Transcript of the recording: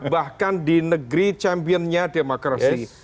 bahkan di negeri championnya demokrasi